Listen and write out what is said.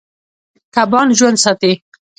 کبان ژوند ساتي.